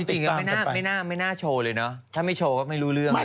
จริงไม่น่าโชว์เลยเนอะถ้าไม่โชว์ก็ไม่รู้เรื่อง